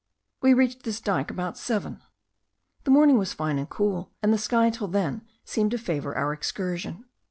We reached this dyke about seven. The morning was fine and cool, and the sky till then seemed to favour our excursion.